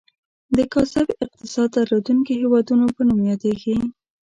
د کاذب اقتصاد درلودونکي هیوادونو په نوم یادیږي.